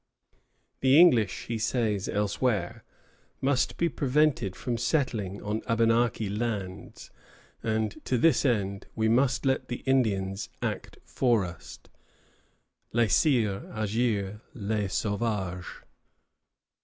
"The English," he says elsewhere, "must be prevented from settling on Abenaki lands; and to this end we must let the Indians act for us (laisser agir les sauvages)."